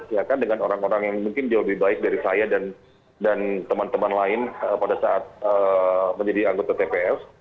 ya kan dengan orang orang yang mungkin jauh lebih baik dari saya dan teman teman lain pada saat menjadi anggota tpf